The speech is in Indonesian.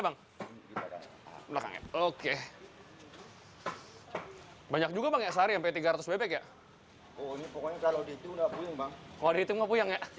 bang oke banyak juga pakai sehari sampai tiga ratus bebek ya pokoknya kalau dihitung